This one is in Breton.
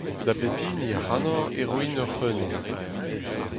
Da bep hini ac'hanoc'h e roin ur c'hreunenn.